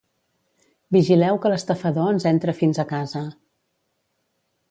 Vigileu que l'estafador ens entra fins a casa.